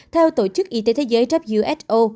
theo tổ chức y tế thế giới who